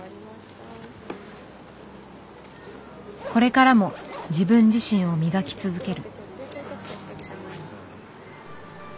これからも自分自身を磨き続ける。